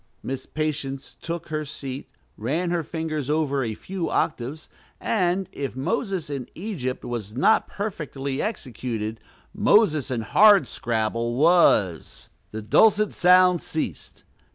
Miss Patience took her seat, ran her fingers over a few octaves, and if "Moses in Egypt" was not perfectly executed, Moses in Hardscrabble was. The dulcet sound ceased.